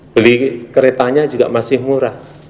beli keretanya juga masih murah